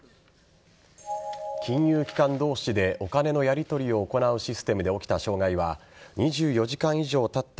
金融機関同士でお金のやりとりを行うシステムで起きた障害は２４時間以上たった